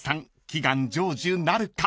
祈願成就なるか？］